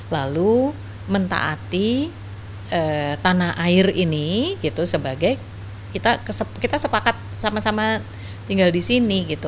lalu mentaati tanah air ini gitu sebagai kita sepakat sama sama tinggal di sini gitu